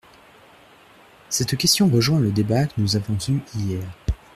Cette question rejoint le débat que nous avons eu hier.